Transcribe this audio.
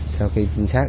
sau khi chính xác